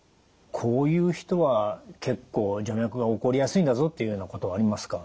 こういう人は結構徐脈が起こりやすいんだぞっていうようなことはありますか？